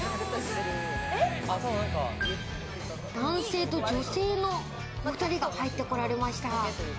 男性と女性の２人が入ってこられました。